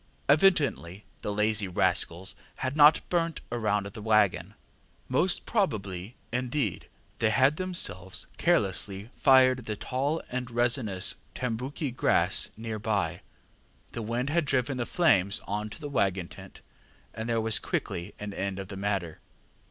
Evidently the lazy rascals had not burnt round the waggon; most probably, indeed, they had themselves carelessly fired the tall and resinous tambouki grass near by; the wind had driven the flames on to the waggon tent, and there was quickly an end of the matter.